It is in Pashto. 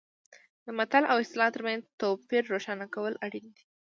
د متل او اصطلاح ترمنځ توپیر روښانه کول اړین دي